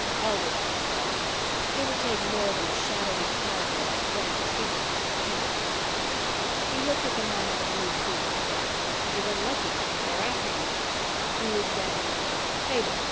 The hell with that stuff. It would take more than a shadowy character like Brent Taber to scare him off. He looked at the man in the blue suit and said, "You've been lucky. They're after you." "Who is they?" "Taber.